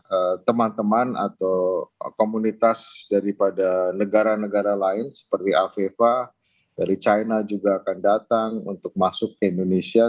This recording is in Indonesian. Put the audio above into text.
kemudian teman teman atau komunitas daripada negara negara lain seperti afifa dari china juga akan datang untuk masuk ke indonesia